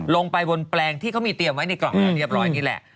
ลงไปบนแปลงที่เขามีเตรียมไว้ในกล่องแล้วเรียบร้อยนี่แหละ